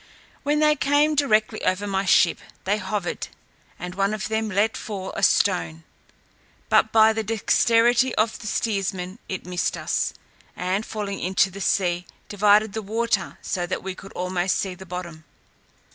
When they came directly over my ship, they hovered, and one of them let fall a stone, but by the dexterity of the steersman it missed us, and falling into the sea, divided the water so that we could almost see the bottom.